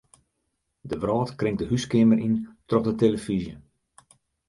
De wrâld kringt de húskeamer yn troch de telefyzje.